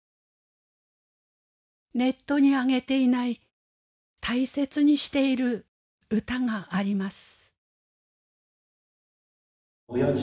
ネットにあげていない大切にしている歌があります。